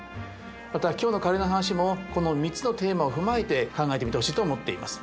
また今日のカレーの話もこの３つのテーマを踏まえて考えてみてほしいと思っています。